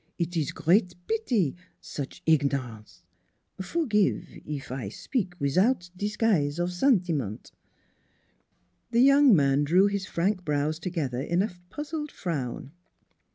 Eet ees great pitie, such ignorant. Forgive, eef I spik wizout disguise of sentiment." The young man drew his frank brows together in a puzzled frown.